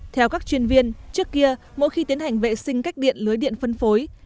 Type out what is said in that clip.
theo các chuyên viên trước kia mỗi khi tiến hành vệ sinh cách điện lưới điện phân phối